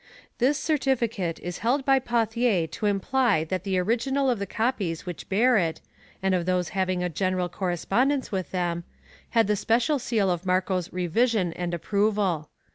This certificate is held by Pauthier to imply that the original of the copies which bear it, and of those having a general correspondence with them, had the special seal of Marco's revision and approval.